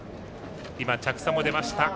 着差も出ました。